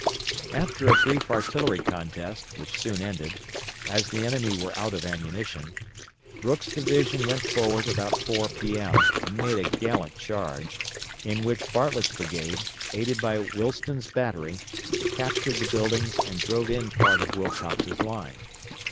After a brief artillery contest, which soon ended, as the enemy were out of ammunition, Brooks' division went forward about 4 P.M., and made a gallant charge, in which Bartlett's brigade, aided by Willston's battery, captured the buildings and drove in part of Wilcox's line.